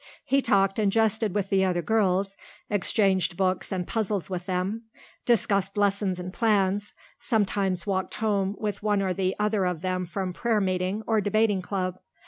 He talked and jested with the other girls, exchanged books and puzzles with them, discussed lessons and plans, sometimes walked home with one or the other of them from prayer meeting or Debating Club.